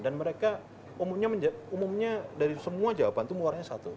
dan mereka umumnya dari semua jawaban itu muaranya satu